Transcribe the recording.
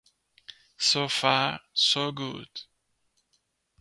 So Far, So Good...